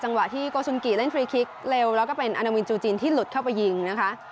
จังหวะที่โกซุนกิเล่นฟรีคิกเร็วแล้วก็เป็นอันโนมินท์จูจินที่หลุดเข้าไปยิงนะคะ